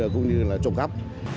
cũng như là trộm cắp